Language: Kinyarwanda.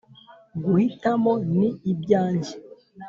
guhitamo ni ibyanjye.